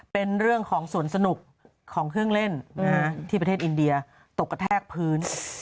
เป็นเรื่องของสวนสนุกของเครื่องเล่นที่ประเทศอินเดียตกกระแทกพื้น